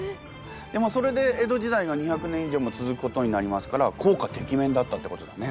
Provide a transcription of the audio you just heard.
でもそれで江戸時代が２００年以上も続くことになりますから効果てきめんだったってことだね。